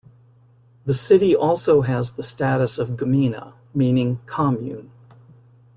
The city also has the status of gmina, meaning "commune".